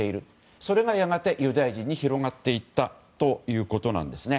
それがやがてユダヤ人に広がっていったということです。